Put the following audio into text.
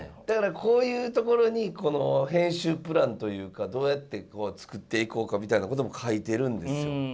こういうところに編集プランというかどうやって作っていこうかみたいなことも書いてるんですよ。